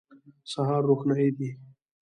سهار روښنايي دی.